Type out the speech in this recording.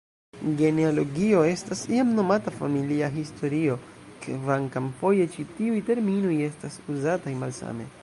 Genealogio estas iam nomata familia historio, kvankam foje ĉi tiuj terminoj estas uzataj malsame.